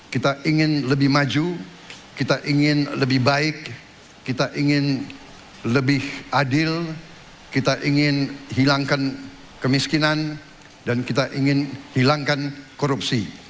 kita ingin lebih maju kita ingin lebih baik kita ingin lebih adil kita ingin hilangkan kemiskinan dan kita ingin hilangkan korupsi